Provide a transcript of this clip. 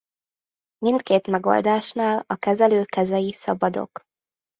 Mindkét megoldásnál a kezelő kezei szabadok.